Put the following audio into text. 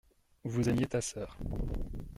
Vous aimiez ta sœur.